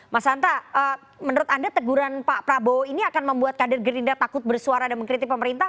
mas hanta menurut anda teguran pak prabowo ini akan membuat kader gerindra takut bersuara dan mengkritik pemerintah